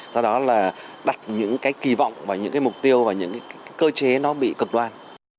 do đó là đặt những kỳ vọng và những cái mục tiêu và những cơ chế nó bị cực đoan